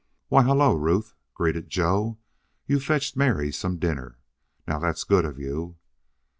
"Why, hello, Ruth!" greeted Joe. "You've fetched Mary some dinner. Now that's good of you."